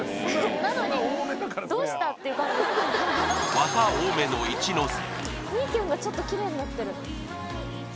ワタ多めの一ノ瀬